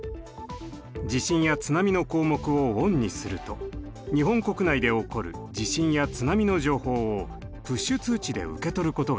地震や津波の項目をＯＮにすると日本国内で起こる地震や津波の情報をプッシュ通知で受け取ることができます。